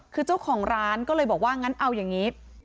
คือเจ้าของร้านก็เลยบอกว่างั้นเอาอย่างนี้